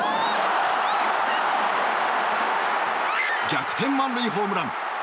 逆転満塁ホームラン。